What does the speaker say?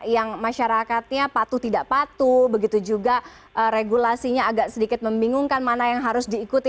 yang masyarakatnya patuh tidak patuh begitu juga regulasinya agak sedikit membingungkan mana yang harus diikuti